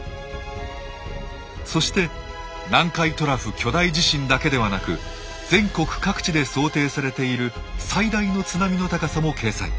そして南海トラフ巨大地震だけではなく全国各地で想定されている最大の津波の高さも掲載。